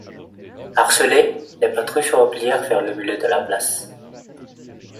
Harcelées, les patrouilles se replièrent vers le milieu de la place.